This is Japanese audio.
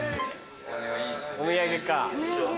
お土産か。